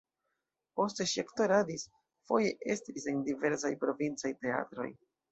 Poste ŝi aktoradis, foje estris en diversaj provincaj teatroj.